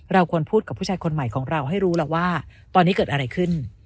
เราควรพูดกับผู้ชายคนใหม่ของเราให้รู้แล้วว่าตอนนี้เกิดอะไรขึ้น